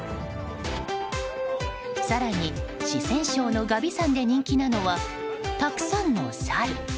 更に、四川省の蛾眉山で人気なのはたくさんのサル。